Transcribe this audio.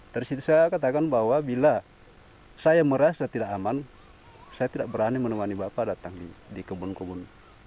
terus saya katakan bahwa bila saya merasa tidak aman saya tidak berani menemani bapak datang di kubun kubun